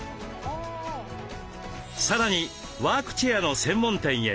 さらにワークチェアの専門店へ。